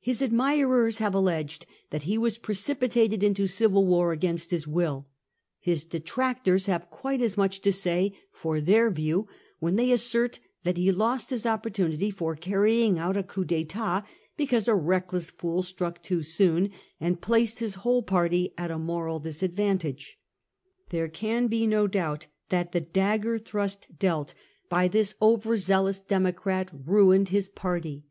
His admirers have alleged that he was precipitated into civil war against his will ; his detractors have quite as much to say for their view when they assert that he lost his opportunity for carrying out a cou'p dUtat because a reck less fool struck too soon* and placed his whole party at a moral disadvantage. There can be no doubt that the dagger thrust dealt by THE DEMOCEATS TAKE AEMS 8i this over zealous Democrat ruined his party.